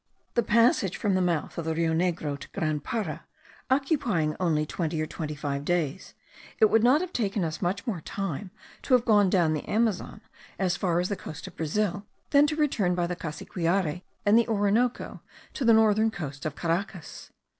The passage from the mouth of the Rio Negro to Grand Para occupying only twenty or twenty five days, it would not have taken us much more time to have gone down the Amazon as far as the coast of Brazil, than to return by the Cassiquiare and the Orinoco to the northern coast of Caracas.